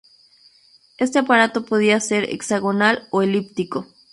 Este aparato podía ser hexagonal o elíptico.